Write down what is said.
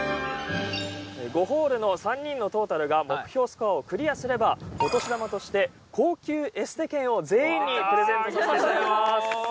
５ホールの３人のトータルが目標スコアをクリアすればお年玉として高級エステ券を全員にプレゼントさせていただきます。